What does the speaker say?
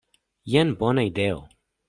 Jen bona ideo.